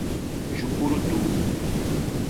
Jucurutu